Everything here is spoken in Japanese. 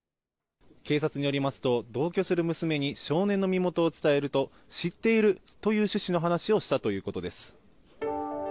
警察によりますと同居する娘に少年の身元を伝えると知っているという趣旨の話をしているということです。